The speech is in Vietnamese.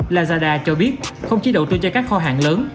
lazada cho biết không chỉ đầu tư cho các kho hàng lớn